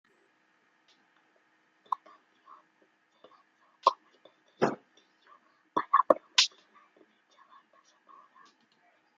La canción se lanzó como el tercer sencillo para promocionar dicha banda sonora.